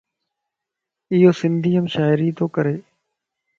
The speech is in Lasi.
ايو سنڌيءَ مَ شاعري تو ڪري.